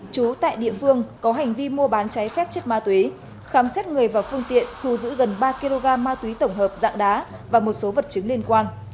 chú tại địa phương có hành vi mua bán cháy phép chất ma túy khám xét người và phương tiện thu giữ gần ba kg ma túy tổng hợp dạng đá và một số vật chứng liên quan